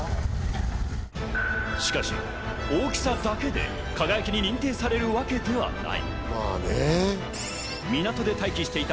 しかし大きさだけで輝に認定されるわけではない。